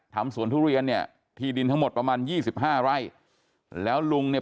สวนทุเรียนเนี่ยที่ดินทั้งหมดประมาณยี่สิบห้าไร่แล้วลุงเนี่ย